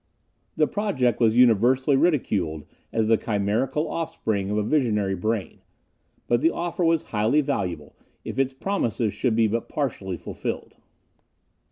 The project was universally ridiculed as the chimerical offspring of a visionary brain; but the offer was highly valuable, if its promises should be but partially fulfilled.